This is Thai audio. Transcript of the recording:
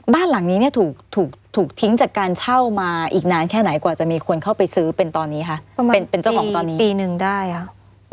บ้านหลังนี้เนี่ยถูกทิ้งจากการเช่ามาอีกนานแค่ไหนกว่าจะมีคนเข้าไปซื้อเป็นตอนนี้คะเป็นเจ้าของตอนนี้ปีนึงได้ค่ะ